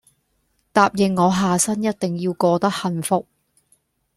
答應我下生一定要過得幸福